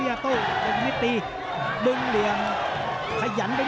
หรือว่าผู้สุดท้ายมีสิงคลอยวิทยาหมูสะพานใหม่